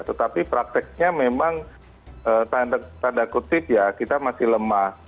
tetapi prakteknya memang tanda kutip ya kita masih lemah